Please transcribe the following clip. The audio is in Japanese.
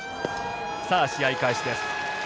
試合開始です。